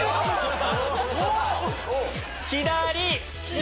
左！